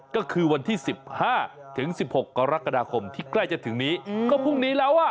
ก็คือวันที่๑๕ถึง๑๖กรกฎาคมที่ใกล้จะถึงนี้ก็พรุ่งนี้แล้วอ่ะ